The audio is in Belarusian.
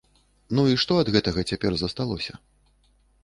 Ну, і што ад гэтага цяпер засталося?